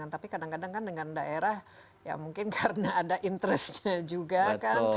tapi kadang kadang kan dengan daerah ya mungkin karena ada interestnya juga kan